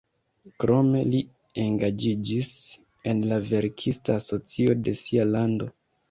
Krome li engaĝiĝis en la verkista asocio de sia lando.